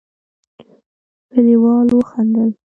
کليوالو وخندل.